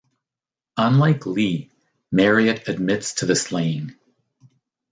Unlike Lee, Marriott admits to the slaying.